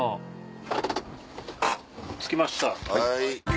着きました。